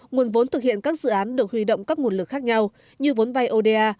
nguồn vốn thực hiện các dự án được huy động các nguồn lực khác nhau như vốn vay oda